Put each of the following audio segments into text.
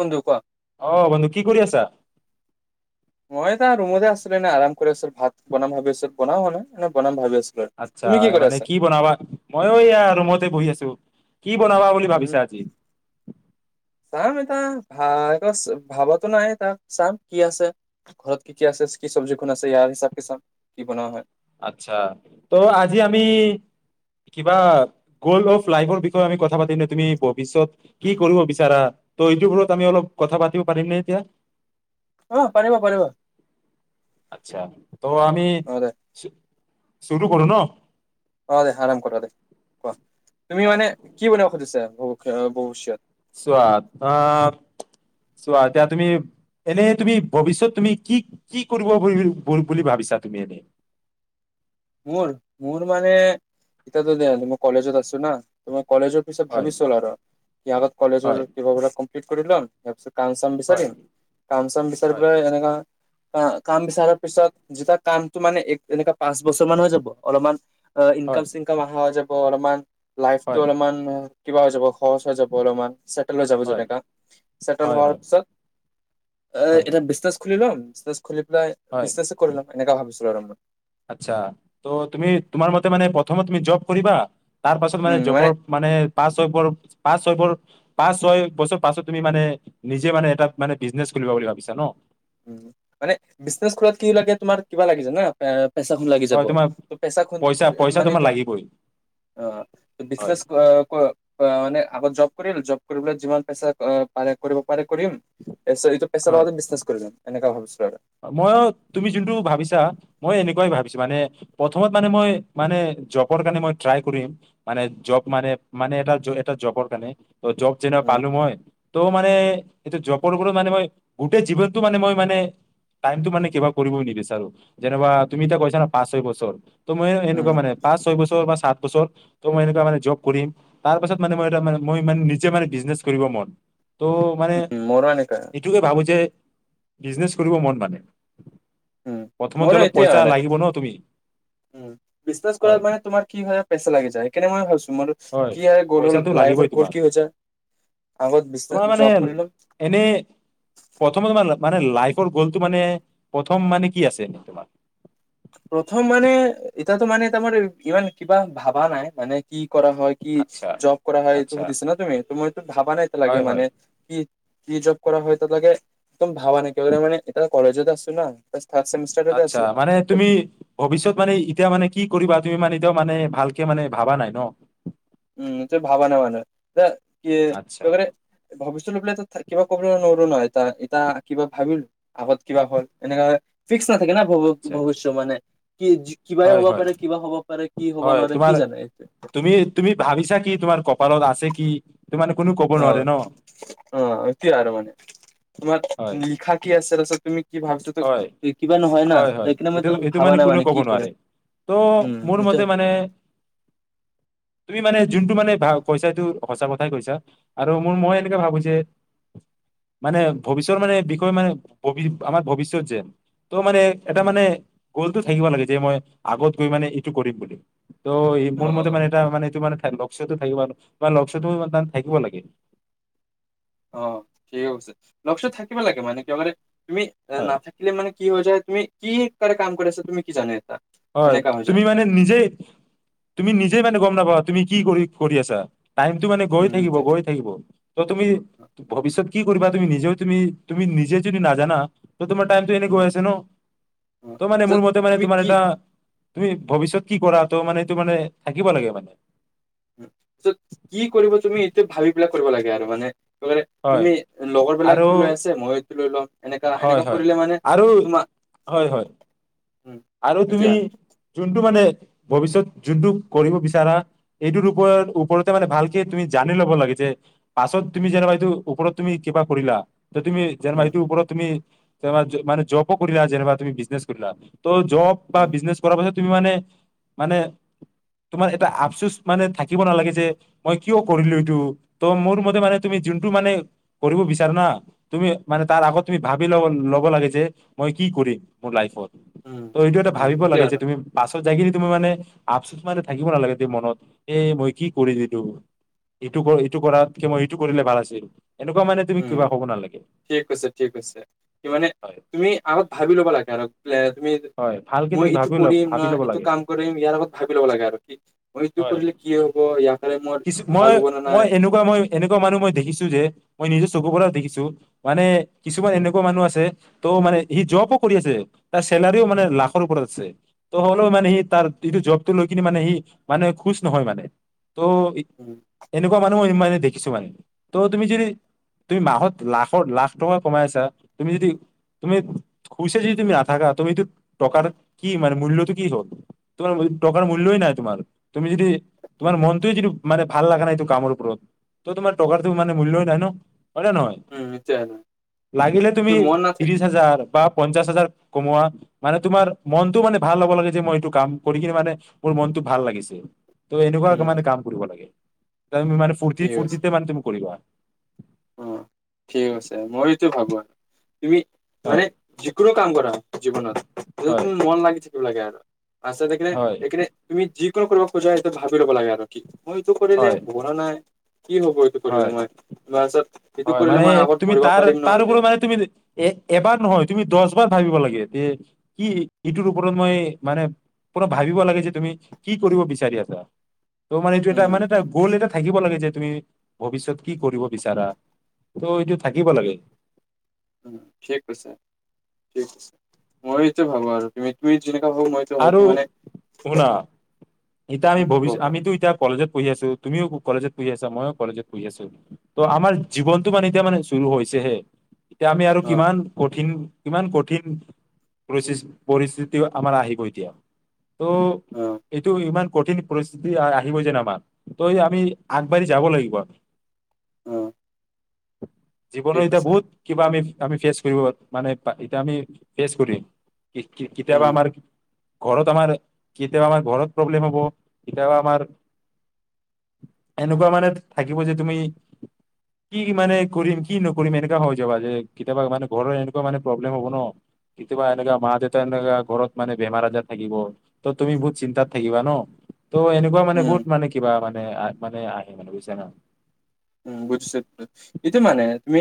[unintelligible] কোৱা। অঁ বন্ধু কি কৰি আছা। এ ৰুমতে আছিলো এনে আৰাম কৰি আছিলো। ভাত বনাম ভাবি আছোঁ, বনাব হোৱা নাই, এ বনাম ভাবি আছোঁ। আচ্ছা মানে কি বনাবা, মইও এয়া ৰুমতে বহি আছো। কি বনাবা বুলি ভাবিছা আজি। জানো এতা ভা আছে ভাবাতো নাই এটা চাম কি আছে ঘৰত কি কি আছে কি চব্জিখন আছে ইয়াৰ হিচাপকে চাম, কি বনোৱা হয়। আচ্ছা ত' আজি আমি কিবা গ'ল অফ লাইফৰ বিষয়ে আমি কথা পাতিম ন তুমি ভৱিষ্যত কি কৰিব বিচাৰা। ত' এইটোৰ ওপৰত আমি অলপ কথা পাতিব পাৰিম নে এতিয়া। অঁ, পাৰিব- পাৰিব। আচ্ছা ত' আমি চুৰু কৰো ন। অ' দে আৰম্ভ কৰা দে, কোৱা তুমি আহ, মানে কি বনিব খুজিছা? ভৱিষ্যত। চোৱা আহ চোৱা, এতিয়া তুমি এনে তুমি ভৱিষ্যত তুমি কি- কি কৰিব বুলি ভাবিছা তুমি এনে। মোৰ- মোৰ মানে এতিয়া ধৰি লোৱা মই কলেজত আছো ন ত কলেজৰ পিছত হয় ভাবিছিচলো আৰু ইয়াৰ আগত কলেজৰ হয় কিবা বেলেগ কম্লপিত কৰি লওঁ তাৰ পিছত কাম চাম হয় বিচাৰিম কাম চাম বিচাৰি হয় পেলাই এনেকা অঁ কাম বিচাৰাৰ পিছত যেতিয়া কামতটো মানে এনেকা বছৰ ম হৈ যাব অলপমান অঁ হয় ইনকম চক অহা হৈ যাব অল মান লাইফটো হয় অলপমান কিবা হৈ যাব। সৰচ হৈ যাব অলপমান ছেটেল হৈ যাব হয়, যেনেকা ছেটেল হয়, হোৱাৰ হয়, পিছত হয়, এটা বিনে দিলং খুলি পেলাই বিশ্বাসে কৰিলম এনেককা ভাবিছো [inaudible] আচছা ত' তুমি তোমাৰ মতে মানে প্ৰথমত তুমি জব কৰিবা তাৰ পাছত মানে জবৰ মানে পাঁচ ছয় পৰ পাঁচ ছয়ৰ পাঁচ ছয় বছৰ পাছত তুমি মানে নিজে মানে এটা মানে বিজনেচ খুলিবা বুলি ভাবিছা ন উ মানে বিজনে খলত কি লাগে তোমাৰ কিবা লাগিছে না পেচাখন লাগি যাব হয় তোমাৰ ত পেচা খ পইচা পইচা মানে তোমাৰ তই লাগিবই অ হয় বিচনেছ মানে আ [inaudible] গৌ জব কৰি জব কৰিবলৈ যিমান পইচা পাৰে কৰিব কৰিমটো পইচাঁ এনেুৱা ভাবছো আৰু [inaudible] মইও তুমি যোনটো ভাবিছা মই এনেকুৱাই ভাবিছা মানে প্ৰথমত মানে মই মানে জবৰ কাৰণে মই ট্ৰাই কৰিম মানে জব মানে মানে এ এ জবৰ কাৰণে জব যেতিয়াই উম, পালো নহয় ত মানে সেইটো জববোৰ মানে মই গোটেই জীৱনতটো মানে মই মানে টাইমটো মানে কিবা কৰিবওঁ নিবিচাৰো যেনবা তুমি এতিয়া কৈছা না পাঁচ ছয় বছৰ ত মই সেনেকুৱা উম, মানে ছয় বছৰ বাাত পিছত মই মানে জব কৰিম তাৰ পাছত মানে মই মই মানে নিজে মানে বিজনেজ কৰিব মন তো মানে উম, মোৰো এনেকা এইটুকে ভাবো যে বিজনেছ কৰিব মন মানে উম প্ৰথমতে মোৰো অলপ এইটোয়ে পইচা অহা নাই লাগিব ন তুমি উম বিচনেচ হয় কৰাত মানে তোমাৰ কি হয় পেচা লাগি যায় সেইকাৰণে মই ভাবিছো মোৰ হয় কি গ'ল হ'ল পইচাঁটো লাইফৰ লাগিবই গ'ল তোমাৰ কি হৈ যায় আগত বিজনেছ তোমাৰ মানে জব কৰিলোঁ এনে প্ৰথমে তোমাৰ মানে লাইফৰ গ'লটো মানে প্ৰথম মানে কি আছে তোমাৰ প্ৰথম মানে এতাতো মানে তাৰ মাৰ ইমান কিবা ভাবা নাই মানে কি কৰা হয় কি আচ্ছা জব কৰা হয় এইটো আচ্ছা সুধিছা ন তুমি তোমাৰতো ভাবা নাই এতি লাগে হয় মানে হয় কি কি জব কৰা হয় এ লাগে একদম ভাবা নাই মানে এতিয়া কলেজত আছো নাহ হাত থাৰ্ড চেমিষ্টাৰতে আচ্ছা আছো মানে তুমি ভৱিষ্যত মানে এতিয়া মানে কি কৰিবা তুমি মানে এতিয়াও মানে ভালকে মানে ভাবা নাই নহ? উম যে ভাবা নাই মানে এহ কি আচ্ছা মানে ভৱিষ্যত লৈ পিনে টো থাকি কিবা ক'বলৈ নোৱাৰো নহয় এহ এতিয়া কিবা ভাবিলো আগত কিবা হ'ল এনেকা ফিক্স নাথাকে না আচ্ছা ভৱিষ্য মানে কি কিবাই হয় হ'ব হয় পাৰে, কিবা হ'ব পাৰে কি হ'ব হয় নোৱাৰে তোমাৰ কি জানে এতি তুমি তুমি ভাবিছা কি তোমাৰ কপালত আছে কি এইটো মানে কোনো ক'ব অহ নোৱাৰে ন অহ এতিয়া আৰু মানে তোমাৰ হয় লিখা কি আছে তাৰ পিছত তুমি কি ভাবিছা ত হয় কিবা নহয় না হয় হয় সেইকাৰণে মই এইটো এতিয়ালৈকে এইটো ভাবা মানে নাই কোনে ক'ব কি নোৱাৰে কৰিম তহ উম মোৰ মতে সেইটোৱে মানে তুমি মানে যোনটো মানে ভাল কৈছা এইটো সঁচা কথাই কৈছা আৰু মোৰ মই এনেকে ভাবো যে মানে ভৱিষ্যৰ মানে বিষয় মানে ভ আমাৰ ভৱিষ্যত যেন তহ মানে এটা উম মানে গলটো থাকিব লাগে যে মই আগত গৈ মানে এইটো কৰিম বুলি তহ অ মোৰ অ মতে মানে এটা মানে এইটো মানে থাই লগ লক্ষ্যটো থাকে মানুহ বা লক্ষ্যটো থাকিব লাগে অহ ঠিকে কৈছে, লক্ষ্য থাকিব লাগে মানে কিয় মানে তুমি হয় নাথাকিলে মানে কি হৈ যায় তুমি কি কাৰনে কাম কৰি আছা তুমি কি জানে এটা হয় এনেকা হৈ যায় তুমি মানে নিজেই তুমি নিজে মানে গম নাপাবা তুমি কি কৰি কৰি আছা টাইমটো মানে গৈ উম থাকিব গৈ থাকিব তহ তুমি ভৱিষ্যত কি কৰিবা তুমি নিজেও তুমি তুমি নিজে যদি নাজানা তহ তোমাৰ টাইমটো এনে উম হৈ আছে নহ অ তহ মানে তাৰপিছত মোৰ মতে মানে তুমি তোমাৰ কি এটা তুমি ভৱিষ্যত কি কৰাটো মানে সেইটো মানে থাকিব লাগে মানে কি কৰিব তুমি এইটো ভাবি পেলা কৰিব লাগে আৰু মানে হয় তুমি আৰু লগৰবিলাকটো লৈ আছে মই লৈ ল হয় হয় আৰু হয় হয় উম আৰু তুমি সেইটোৱে যোনটো মানে ভৱিষ্যত যোনটো কৰিব বিচাৰা এইটোৰ ওপৰত ওপৰতে মানে ভালকে তুমি জানি লব লাগে যে পাছত তুমি যেনিবা এইটো ওপৰত তুমি কিবা কৰিলা। যে তুমি যেনিবা উম, উপৰত তুমি, চাবা মানে, জবো কৰিলা যেনিবা তুমি বিজনেছ কৰিলা, ত' জব বা উম, বিজনেছ কৰাৰ পাছত, তুমি মানে, মানে তোমাৰ এটা আফচোচ মানে থাকিব নালাগে যে, মই কিয় কৰিলো এইটো, ত 'মোৰ মতে মানে তুমি যোনটো মানে কৰিব বিচাৰা না তুমি মানে তাৰ আগত তুমি ভাবি লব ল'ব লাগে যে, মই কি কৰিম মোৰ লাইফত। উম, ত' এইটো এটা উম, ভাবিব সেইটোৱে লাগে যে আৰু তুমি পাছ, যাই কিনি তুমি মানে আফচুচ মানে থাকিব নালাগে দে মনত এ', মই কি কৰি দিলো এইটো- এইটো কৰাতকে মই এইটো কৰিলে ভাল আছিল। এনেকুৱা মানে তুমি উম, কিবা হ'ব নালাগে ঠিক কৈছে, ঠিক কৈছে কি মানে হয় তুমি আগত ভাবি ল'বা লাগে আৰু, হয় ভালকে তুমি ভাবি ল ভাবি ল'ব লাগে হয় কিছু মই মই এনেকুৱা মই এনেকুৱা মানুহ মই দেখিছো যে মই নিজৰ [unintelligible] চকুৰ পৰাও দেখিছো মানে কিছুমান এনেকুৱা মানুহ আছে ত' মানে সি জবো কৰি আছে, চেলাৰিও মানে লাখৰ ওপৰত আছে ত' হ'লেও মানে সি তাৰ এইটো জবটো লৈ কিনে মানে সি মানে খোচ নহয় মানে। ত' উম, এনেকুৱা মানুহও ইমানে দেখিছো মানে। ত' তুমি যদি তুমি মাহত লাখৰ -লাখ টকা কমাই আছা, তুমি যদি, তুমি খুচ যদি তুমি নাথাকা তুমিতো টকাৰ কি মানে মূল্যতটো কি হল তোমাৰ টকাৰ মূল্যই নাই, তোমাৰ তুমি যদি উম, তোমাৰ মনটোই যদি মানে ভাল লাগা নাই কামৰ ওপৰত ত' তোমাৰ টকাৰটো মানে মূল্যই নাই ন'। হয় নে নহয় উম, সেইটোৱে আৰু লাগিলে যদি তুমি মন নাথা ত্ৰিশ- হাজাৰ বা পঞ্চাশ হাজাৰ, কমোৱা মানে তোমাৰ মনটো মানে ভাল হ'ব লাগে যে, মই এইটো কাম কৰি কিনে মানে মোৰ মনতটো ভাল লাগিছে। ত' এনেকুৱ উম, মানে কাম কৰিব লাগে। তাৰমানে ফূৰ্তি ঠিক আছে, -ফূৰ্তিতে মানে তুমি কৰিবা। অ', ঠিক আছে মই এইটো ভাবো, হোৱা, তুমি মানে হয় যিকোনো কাম কৰা জীৱনত য'ত হয় তোমাৰ মন লাগি থাকে। তোৰ লাগে আৰু। হয় [unintelligible] কিয় কৰিব খোজা সেইটো ভাবি ল'ব লাগে আগত কি? মই এইটো কৰিলে হয় হব না নাই। কি হব এইটো কৰিলে হয় মই? এইটো হয় কৰিলে মানে মই আগত তুমি পঢ়িব তাৰ পাৰিম নহ'লে তাৰউপৰি মানে তুমি এ, এবাৰ নহয় তুমি দচ বাৰ ভাবিব লাগিব। কি ইটোৰ ওপৰত মই মানে পুৰা ভাবিব লাগে যে তুমি কি কৰিব বিচাৰি আছা। ত' মানে এইটো এটা উম মানে এটা উম গ'ল এটা থাকিব লাগে যে তুমি, ভৱিষ্যত কি কৰিব বিচাৰা? ত' এইটো থাকিব লাগে। উম, ঠিক কৈছা ঠিক আছে মই এইটো ভাবো আৰু তুমি, যেনেকোৱা হওক মইতো হওক আৰু মানে, শুনা এতিয়া আমি উম ক ভৱিষ্যত ক আমিতো এতিয়া কলেজত পঢ়ি আছো তুমিও কলেজত পঢ়ি আছা মইো কলেজত পঢ়ি আছো ত' আমাৰ জীৱনটো মানে এতিয়া মানে চুৰ হৈছেহে এতিয়া আমি আৰু অ কিমান কঠিন। কিমান কঠিন পৰি পৰিস্থিতি আমাৰ আহিব এতিয়া অ ত ইমান কঠিন পৰিস্থিতি আহ আহিব যে আমাৰ ত আমি আগবাঢ়ি যাব লাগিব আৰু অ জীৱনো ঠিক এতিয়া কৈছা বহুত কিবা আমি। আমি ফেচ কৰিব মানে এতিয়া আমি ফেচ কৰিম। কতিয়াবা উম আমাৰ ঘৰত আমাৰ কেতিয়াবা আমাৰ ঘৰত প্ৰব্লেম হ'ব, কেতিয়াবা আমাৰ এনেকুৱা মানে থ থাকিব যে তুমি কি মানে কৰিম কি নকৰিম এনেকা হৈ যাবা যে কেতিয়াবা মানে ঘৰৰ এনেকুৱা মানে প্ৰব্লেম হব ন' কেতিয়াবা এনেকুৱা মা-দেউতা এনেকা ঘৰত মানে বেমাৰ আজাৰ থাকিব ত' তুমি বহুত চিন্তাত। থাকিবা ন'। ত' এনেকুৱা মান উম বহুত মানে কিবা মানে মানে আহ মানে বুজছে ন উম, বুজিছোঁ, এইটো মানে তুমি।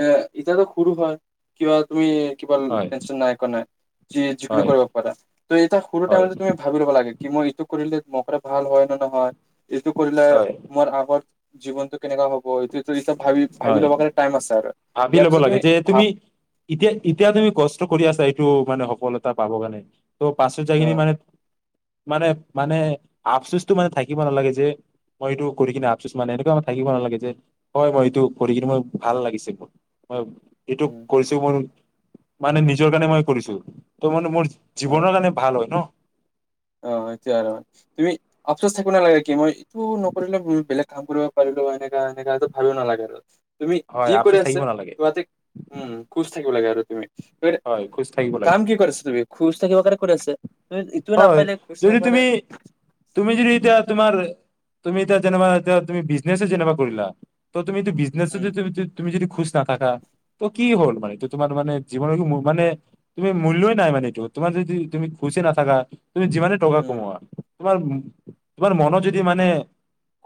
এ ইতিয়াতো খুৰো হয় কিবা তুমি কিবা হয় টেনচন নাই কাৰনে নাই যি-যিকোনো হয় কৰিব পাৰা তুমি এতিয়া সৰু হয় এটাই তুমি ভাবি লব লাগে। কি মই ইটো কৰিলে মক ভাল হয় নে নহয় এইটো কৰিলে হয় মোৰ আগত। জীৱনটো কেনেকা হব এইটো এতিয়া ভাবি ভাবি হয় ল'ব কাৰণে টাইম আছে আৰু ভাবি ইয়াৰ ল'ব পিছত লাগে যে ভাব তুমি এতিয়া এতিয়া তুমি কষ্ট কৰি আছা এইটো মানে সফলতা পাব কে নে ত পাছত যাই অ খিনি মানে মানে মানে আফচোচটো মানে থাকিব নালাগে যে মই এইটো কৰি কিনে আফচোচ মানে এনেকুৱা আ থাকিব নালাগে যে হয় মই এইটো পঢ়ি কিু মই ভাল লাগিছে মোৰ ম এইটো উম কৰিছো মই মানে নিজৰ কাৰণে মই কৰিছো ত মানে মোৰ উম জীৱনৰ কাৰণে ভাল হয় ন অ সেইটোৱে আৰু তুমি অফচচ থাকিব নালাগে কি মই এইটো নকৰিলে বেলেগ কাম কৰিব পাৰিলো এনেকা এনেকা সেইটো ভালো নালাগে আৰু তুমি যি হয় কৰি আফচোচ আছা থাকিব নালাগে তহতে উম খোজ থাকিব লাগে আৰু হয় ত হয় খোজ থাকিব লাগে কাম কি কৰিছ তুমি খুজ থাকিবে আছে তুম ইটো ন হয় যদি তুমি তুমি যদি এতিয়া তোমাৰ তুমি এতিয়া যেনো এতিয়া তুমি বিজনেচ যেনেিবা কৰিলা তুমি এইটো বিজনেছছে উম যদি তুমি যদি খুচ নাথাকা ত কি হ'ল মানে এইটো তোমাৰ মানে জীৱনৰ মানে তুমি মূল্যই নাই মানে এইটো তোমাৰ যদি তুমি খুচি নাথাকা তুমি যিমানে টকা উম কমোৱা তোমাৰ তোমাৰ মনত যদি মানে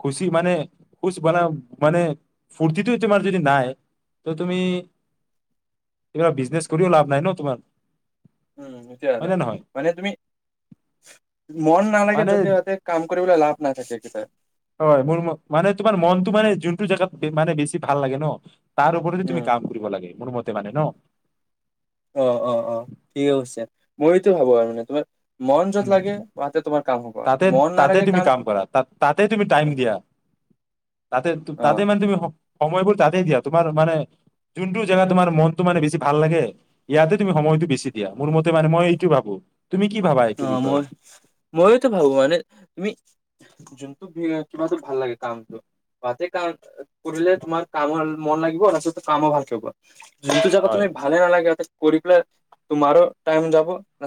খুচি মানে খুজ মান মানে ফূুৰ্তিটো তোমাৰ যদি নাই ত তুমি কিবা বিজনেছ কৰিও লাভ নাই ন তোমাৰ উম এতিয়া আৰু হয় নে নহয় মানে তুমি মন নালাগে মানে যতে ততে কাম কৰিবলৈ লাভ নাথাকে কতিয়া হয় মোৰ ম- মানে তোমাৰ মনটো মানে যোনটো জেগাত মানে বেছি ভাল লাগে ন তাৰ ওপৰতে যদি তুমি উম কাম কৰিব লাগে মোৰ ম মানে ন মইতো ভাবো আৰু মানে তোমাৰ মন উ য'ত লাগে তাতে তোমাৰ কাম হ'ব আৰু তাতে মন তাতে নালাগে তুমি কাম কৰা তা তাতে তুমি টাইম দিয়া তাতে অ তাতে মানে তুমি সময়বোৰ তাতে দিয়া তোমাৰ মানে যোনটো জেগাত তোমাৰ মনতটো মানে বেছি ভাল লাগে ইয়াতে তুমি সময়তটো বেছি দিয়া মোৰ মতে মানে মই এইটো ভাবো তুমি কি ভ অ মই ময়োতো ভাবো মানে তুমি যোনটো ভ কিবাো ভাল লাগে কামটো বাাতে কাম কৰিলে তোমাৰ কাম মন লাগিব নচো কামো ভাল থাব কিন্তু যাব হয় তুমি ভাল ন লাগে কৰি পেলাই তোমাৰো টাইম যাব ন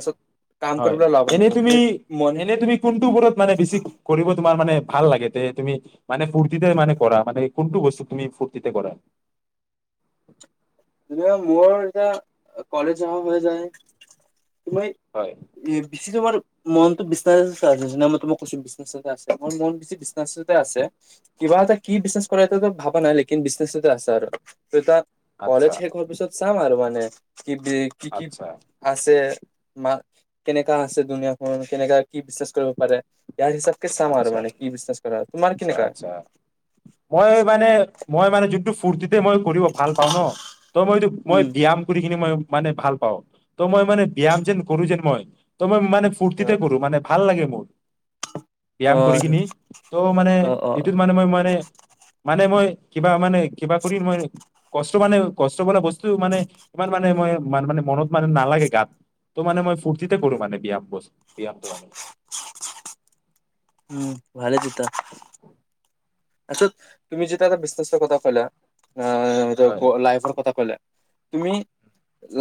হয় এনে তুমি এনে তুমি কোনটোবোৰত মানে বেছি কৰিব তোমাৰ মানে ভাল লাগে তে তুমি মানে ফূুৰ্তিতে মানে কৰা মানে কোনটো বস্তু তুমি ফুৰ্তিতে কৰা মোৰ এতিয়া কলেজ অহা‌ হৈ যায় তমই হয় বিশেছি যমাৰ মন বি আছে মই তোমাক কৈছো বিনে আছে মোৰ মন বেি বি আছে কিবা এটা কি বিনে কৰে এ ভাবা নাই লেক বিনেছতে আছে আৰু এ আচ্ছা, কলেজ শেষ হোৱাৰ পিছত চাম আৰু মানে [unintelligible] কি কি কি আচ্ছা, আছে মা কেনেকা আছে দুুনীয়াখন কেনেকা কি বিচনেছ কৰিব পাৰে ইয়াৰ হিচাপকে চাম আা আৰু মানে কি বিজনেছ কৰা তোমাৰ আচছা কেনেকা আচছা মই মানে মই মানে য [unintelligible] মই কৰিব ভাল পাওঁ ন তই মই মই উম ব্যায়াম কৰি কিনি মই মানে ভাল পাওঁ ত মই মানে ব্যায়াম যেন কৰো যেন মই ত মই মানে অ ফূৰ্তিতে কৰো মানে ভাল লাগে মোৰ। ব্যায়াম কৰিকিনি ত' মানে অ অ অ এইটোত মানে মই মানে মানে মই কিবা মানে কিবা কৰিম মই কষ্ট মানে কষ্ট ব বস্তু মানে ইমান মানে মই মানে মনত মানে নালাগে গাত ত মানে মই ফূৰ্তিতে কৰো মানে ব্যায়াম বস্ত এই ব্যামটো উম ভালে টুতা আছত তুমি যেটো এটা বিশ্বাসৰ কথা কৈলা অ হয়। লাইফৰ কথা কৈলা। তুমি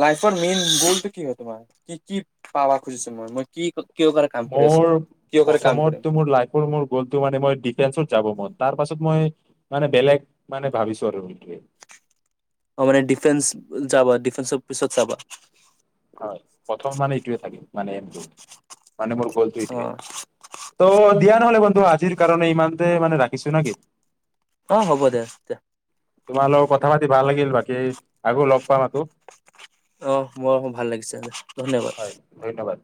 লাইফৰ মেইন গলটো কি হয় তোমাৰ কি কি পাব খুজিছো ম, ই মই কি? কিয় কাৰণে কাম কৰি আছো? মোৰ কিয় কাৰণে কাম প্ৰথমত কৰিম? টো মোৰ লাইফ ৰ মানে গল টো মই ডিফেনচ ত যাব মন। তাৰ পাছত মই মানে বেলেগ মানে ভাবিছো আৰু সটোৱে। অ মানে ডিফেন্স যাবা ডিফেন্সৰ পিছত চাবা হয় প্ৰথম মানে এইটোয়ে থাকিম মানে টো মানে মোৰ গল থ এইে অ' ত দিয়া নহলে ব টো আজিৰ কাৰণে ইমানতে মানে ৰাখিছো নে কি? অ হ'ব দে তে। তোমাৰ লগত কথা পাতি ভাল লাগিল বাকী আকৌ লগ পাম আকৌ। অ মোৰ ভাল লাগিছে। ধন্যবাদ। হয় ধন্যবাদ।